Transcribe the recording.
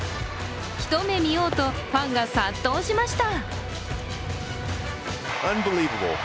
ひと目見ようとファンが殺到しました。